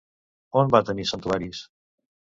On va tenir santuaris?